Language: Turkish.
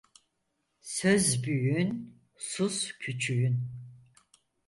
Söz büyüğün sus küçüğün.